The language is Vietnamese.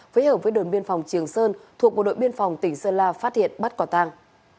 với hợp với đội biên phòng trường sơn thuộc một đội biên phòng tỉnh sơn la phát hiện bắt quả tàng